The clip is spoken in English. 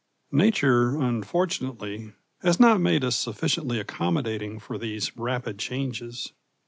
Nature, unfortunately, has not made us sufficiently accommodating for these rapid changes.